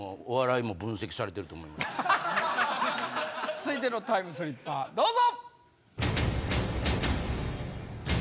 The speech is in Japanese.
続いてのタイムスリッパーどうぞ！